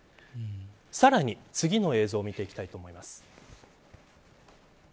さらに次の映像を見ていきたいと思います。